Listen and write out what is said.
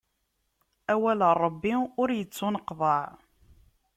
Awal n Ṛebbi ur ittuneqḍaɛ.